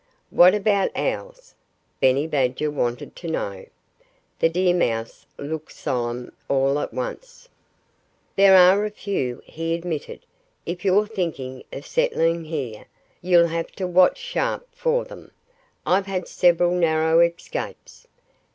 "What about Owls?" Benny Badger wanted to know. The deer mouse looked solemn all at once. "There are a few," he admitted. "If you're thinking of settling here, you'll have to watch sharp for them. I've had several narrow escapes."